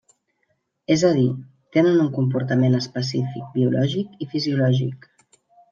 És a dir, tenen un comportament específic biològic i fisiològic.